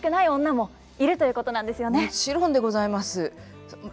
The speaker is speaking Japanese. もちろんでございます。